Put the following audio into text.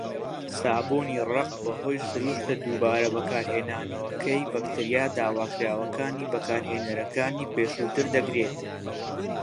سابوونی ڕەق، بەهۆی سروشتە دووبارە بەکارهێنانەوەکەی، بەکتریا داواکراوەکانی بەکارهێنەرەکانی پێشووتر دەگرێت.